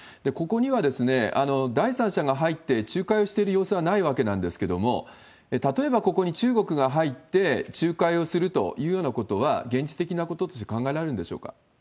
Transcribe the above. ここには第三者が入って仲介をしている様子はないわけなんですけれども、例えばここに中国が入って仲介をするというようなことは、現実的なこととして考えられるんでしょうか？